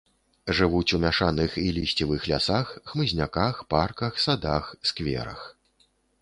Жывуць у мяшаных і лісцевых лясах, хмызняках, парках, садах, скверах.